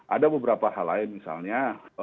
ada beberapa hal lain misalnya